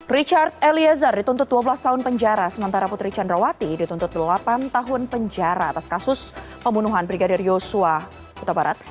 richard eliezer dituntut dua belas tahun penjara sementara putri candrawati dituntut delapan tahun penjara atas kasus pembunuhan brigadir yosua huta barat